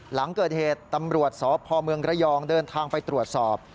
หลังเกิดเหตุตำรวจสพเมืองระยองเดินทางไปตรวจสอบ